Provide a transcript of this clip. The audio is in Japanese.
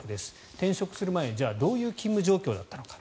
転職する前どういう勤務状況だったのか。